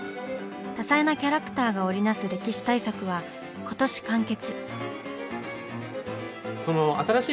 多彩なキャラクターが織り成す歴史大作は今年完結。